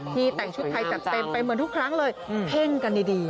แต่งชุดไทยจัดเต็มไปเหมือนทุกครั้งเลยเพ่งกันดี